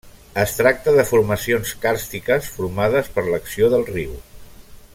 Es tracta de formacions càrstiques formades per l'acció del riu.